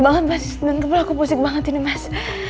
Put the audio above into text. banget mas dan tebal aku pusing banget ini mas